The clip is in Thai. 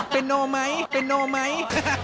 เพียโนไหม